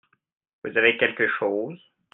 Vous avez quleque chose ?